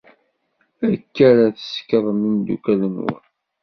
Akka ara tsekkrem imeddukal-nwen?